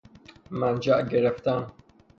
منشاء گرفتن